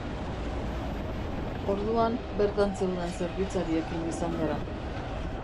Orduan, bertan zeuden zerbitzariekin izan gara.